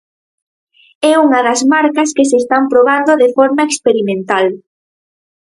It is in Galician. É unha das marcas que se están probando de forma experimental.